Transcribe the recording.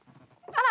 あら！